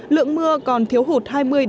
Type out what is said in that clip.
lượng mưa còn thiếu hụt hai mươi bốn mươi